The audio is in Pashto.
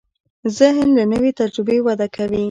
ذهن له نوې تجربې وده کوي.